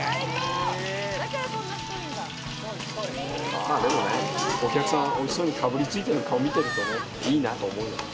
まあでも、お客さんが美味しそうにかぶりついてる顔見てるといいなと思うよ。